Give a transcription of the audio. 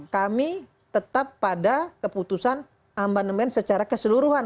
kami tetap pada keputusan amandemen secara keseluruhan